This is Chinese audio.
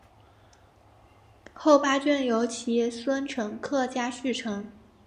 后八卷由其孙陈克家续成。